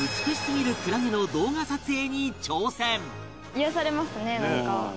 癒やされますねなんか。